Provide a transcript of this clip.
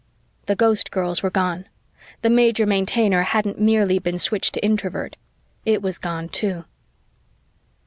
The Ghostgirls were gone. The Major Maintainer hadn't merely been switched to Introvert. It was gone, too.